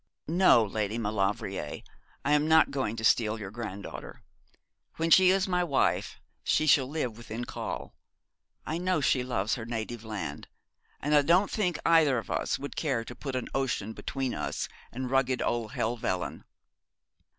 'No, Lady Maulevrier, I am not going to steal your granddaughter. When she is my wife she shall live within call. I know she loves her native land, and I don't think either of us would care to put an ocean between us and rugged old Helvellyn.'